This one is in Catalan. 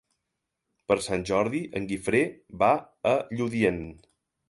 Per Sant Jordi en Guifré va a Lludient.